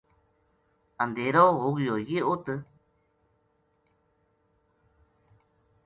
اندھیرو ہو گیو یہ اُ